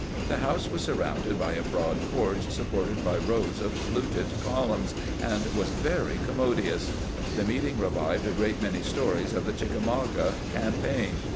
The house was surrounded by a broad porch sup ported by rows of fluted columns, and was very commo dious. The meeting revived a great many stories of the AN EVENING WITH GENEBAL THOMAS 295 CMckamauga campaign.